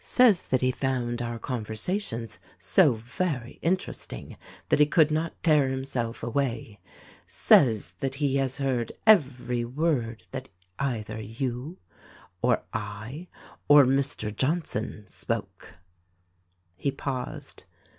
Says that he found our conversations so very interesting that he could not tear himself away. Says that he has heard every word that either you or I or Mr. Johnson spoke." He paused. Mr.